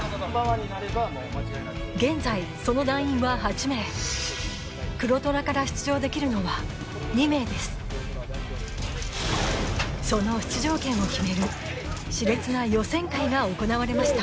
現在その団員は８名黒虎から出場できるのは２名ですその出場権を決めるが行われました